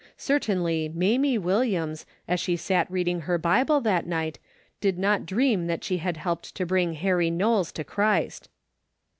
Certainly, Mamie Williams, as she sat read ing her Bible that night, did not dream that she had helped to bring Harry Knowles to Christ.